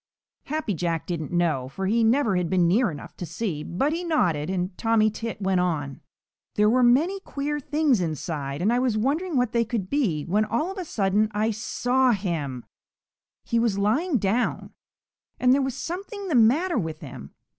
Happy Jack didn't know, for he never had been near enough to see, but he nodded, and Tommy Tit went on. "There were many queer things inside, and I was wondering what they could be when all of a sudden I saw him. He was lying down, and there was something the matter with him.